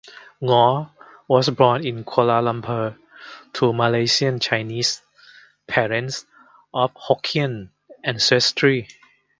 Ng was born in Kuala Lumpur to Malaysian Chinese parents of Hokkien ancestry.